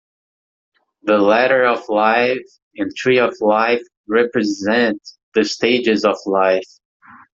The Ladder of Life and Tree of Life represent the stages of life.